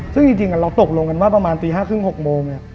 ซึ่งจริงเราตกลงกันว่าประมาณตี๕๓๐๖โมง